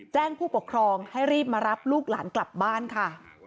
ผู้ปกครองให้รีบมารับลูกหลานกลับบ้านค่ะ